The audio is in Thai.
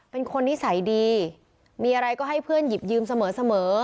เป็นคนนิสัยดีมีอะไรก็ให้เพื่อนหยิบยืมเสมอ